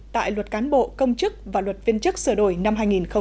tại luật cán bộ công chức và luật viên chức sửa đổi năm hai nghìn một mươi bốn